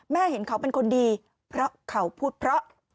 เห็นเขาเป็นคนดีเพราะเขาพูดเพราะ